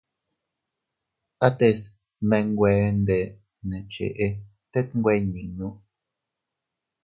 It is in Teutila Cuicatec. Ates menwe nde ne cheʼe tet nwe iyninnu.